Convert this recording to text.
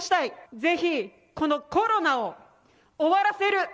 ぜひこのコロナを終わらせる。